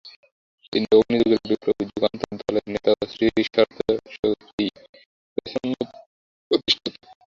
তিনি অগ্নিযুগের বিপ্লবী, যুগান্তর দলের নেতা ও শ্রীসরস্বতী প্রেসের অন্যতম প্রতিষ্ঠাতা।